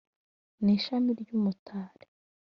Ni ishami ry'umutari